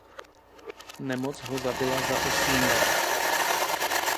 Nemoc ho zabila za osm let.